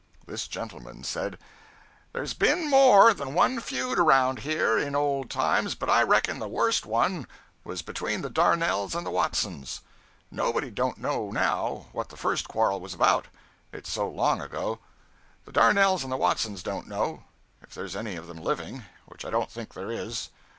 This gentleman said 'There's been more than one feud around here, in old times, but I reckon the worst one was between the Darnells and the Watsons. Nobody don't know now what the first quarrel was about, it's so long ago; the Darnells and the Watsons don't know, if there's any of them living, which I don't think there is.